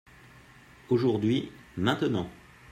Aujourd'hui/Maintenant.